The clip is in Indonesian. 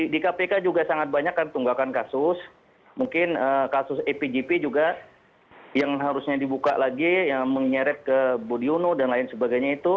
di kpk juga sangat banyak kan tunggakan kasus mungkin kasus epgp juga yang harusnya dibuka lagi yang menyeret ke budiono dan lain sebagainya itu